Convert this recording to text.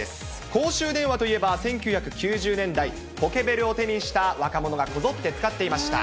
公衆電話といえば１９９０年代、ポケベルを手にした若者がこぞって使っていました。